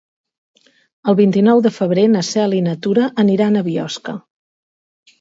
El vint-i-nou de febrer na Cel i na Tura iran a Biosca.